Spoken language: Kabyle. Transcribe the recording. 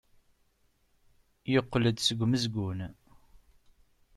Yeqqel-d seg umezgun.